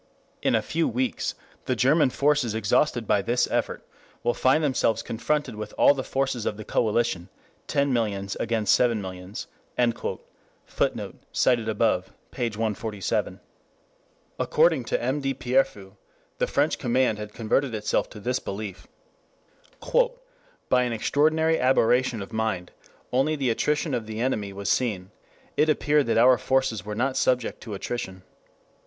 In a few weeks, the German forces exhausted by this effort, will find themselves confronted with all the forces of the coalition (ten millions against seven millions)." [Footnote: Op. cit., p. 147.] According to M. de Pierrefeu, the French command had converted itself to this belief. "By an extraordinary aberration of mind, only the attrition of the enemy was seen; it appeared that our forces were not subject to attrition.